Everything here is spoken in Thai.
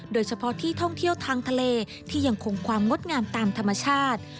โดยเฉพาะที่ท่องเที่ยวทางทะเลที่ยังคงความงดงามตามธรรมชาติ